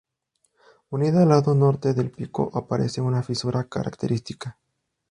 Unida al lado norte del pico aparece una fisura característica.